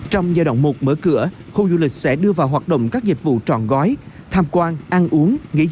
trong giai đoạn một mở cửa khu du lịch sẽ đưa vào hoạt động các dịch vụ trọn gói tham quan ăn uống nghỉ dưỡng